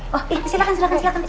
oh iya silahkan silahkan silahkan